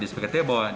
di kukul kakak